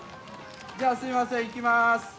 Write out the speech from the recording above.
じゃあすいませんいきます。